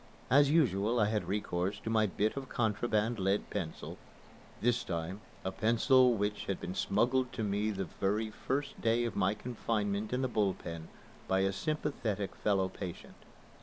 As usual I had recourse to my bit of contraband lead pencil, this time a pencil which had been smuggled to me the very first day of my confinement in the Bull Pen by a sympathetic fellow patient.